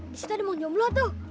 di situ ada mang jomblo tuh